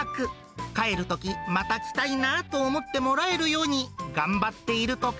帰るとき、また来たいなと思ってもらえるように頑張っているとか。